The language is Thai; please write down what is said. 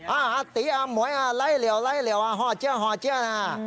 อ่าอาตีอาหมวยอ่าไล่เหลวไล่เหลวอ่าฮอเจียฮอเจียนะฮะ